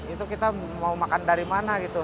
itu kita mau makan dari mana gitu